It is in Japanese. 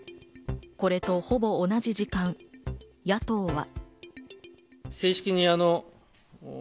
これとほぼ同じ時間、野党は。